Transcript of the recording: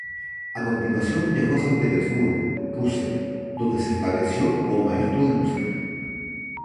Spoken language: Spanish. A continuación viajó a San Petersburgo, Rusia, donde se estableció como maestro de música.